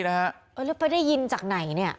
แล้วไปได้ยินจังไหน